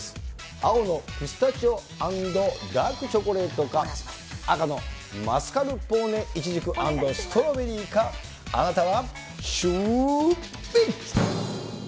青のピスタチオ＆ダークチョコレートか、赤のマスカルポーネイチジク＆ストロベリーか、あなたはシューＷｈｉｃｈ。